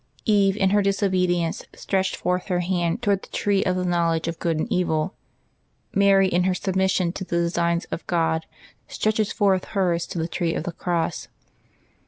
Eve, in her disobedience, stretched forth her hand toward the tree of the knowledge of good and evil; Mary, in her submission to the designs of God, stretches forth hers to the tree of the cross.